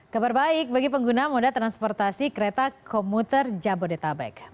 kabar baik bagi pengguna moda transportasi kereta komuter jabodetabek